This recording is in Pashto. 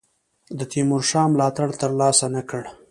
د تیمورشاه ملاتړ تر لاسه نه کړ.